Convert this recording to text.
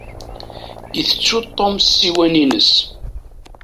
Itettuy Tom ssiwan-ines.